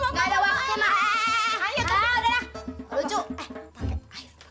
ketuk ketuk ketuk ketuk